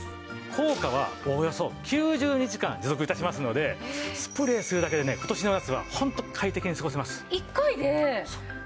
効果はおよそ９０日間持続致しますのでスプレーするだけでね今年の夏はホント快適に過ごせます。